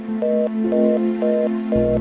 gak nelfon lagi ya